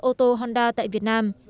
ô tô honda tại việt nam